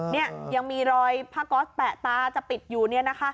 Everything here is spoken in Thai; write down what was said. นี่ยังมีรอยผ้าก๊อสแปะตาจะปิดอยู่เนี่ยนะคะ